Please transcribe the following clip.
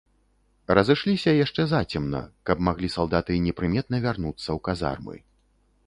Разышліся яшчэ зацемна, каб маглі салдаты непрыметна вярнуцца ў казармы.